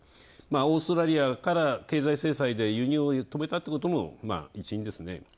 オーストラリアから経済制裁で輸入を止めたということも一因ですね。